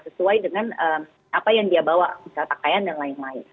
sesuai dengan apa yang dia bawa misalnya pakaian dan lain lain